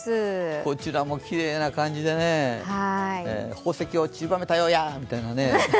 こちらもきれいな感じで、宝石をちりばめたようや！みたいな。